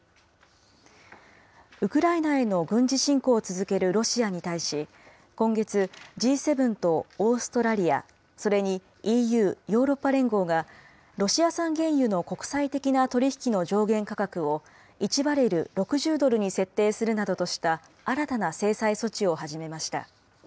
ウクライナへの軍事侵攻を続けるロシアに対し、今月、Ｇ７とオーストラリア、それにＥＵ・ヨーロッパ連合が、ロシア産原油の国際的な取り引きの上限価格を、１バレル６０ドルに設定するなどとした、新たな制裁措置を始めました。